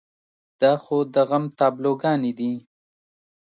دا خو د غم تابلوګانې دي.